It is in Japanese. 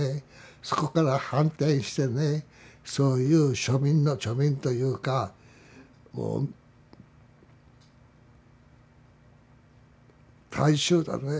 そこから反転してねそういう庶民の庶民というかこう大衆だね。